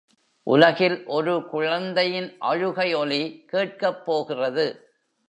உலகில் ஒரு குழந்தையின் அழுகை ஒலி கேட்கப் போகிறது.